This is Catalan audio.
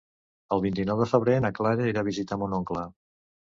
El vint-i-nou de febrer na Clara irà a visitar mon oncle.